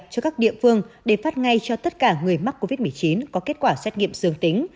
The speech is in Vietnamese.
cho các địa phương để phát ngay cho tất cả người mắc covid một mươi chín có kết quả xét nghiệm dương tính